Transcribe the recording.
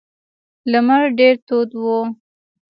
لمر ډیر تود و.